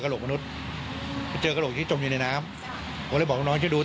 เพราะที่ยังมีกระโหลกศีรษะด้วยซึ่งมันเหมือนกับกระโหลกศีรษะด้วย